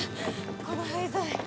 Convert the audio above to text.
この廃材。